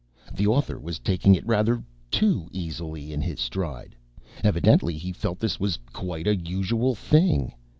The author was taking it rather too easily in his stride. Evidently, he felt this was quite a usual thing.